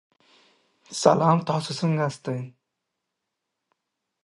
رسوب د افغانستان د ځایي اقتصادونو بنسټ دی.